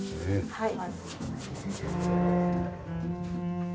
はい。